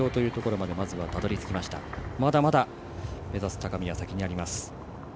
まだまだ、目指す高みは先にあります。